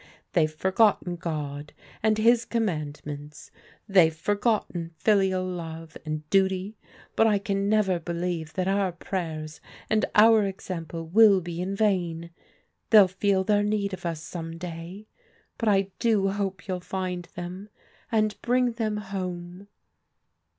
They've forgotten God, and His commandments. They've forgotten filial love, and duty, but I can never believe that our prayers and our example will be in vain. They'll feel their need of us, some day. But I do hope you'll find them, and bring them home."